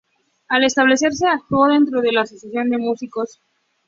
Al establecerse actuó dentro de la Asociación de Músicos “Stanković“.